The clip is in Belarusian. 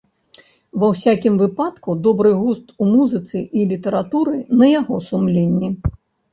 Ва ўсякім выпадку добры густ у музыцы і літаратуры на яго сумленні.